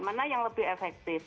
mana yang lebih efektif